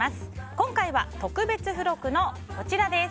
今回は特別付録のこちら。